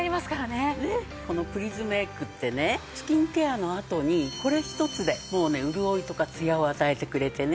このプリズムエッグってねスキンケアの後にこれ１つで潤いとかツヤを与えてくれてね